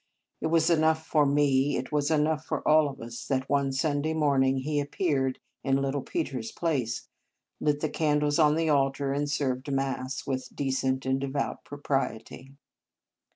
It was enough for me it was enough for all of us that one Sunday morning he appeared in little Peter s place, lit the candles on the altar, and served Mass with decent and devout propriety.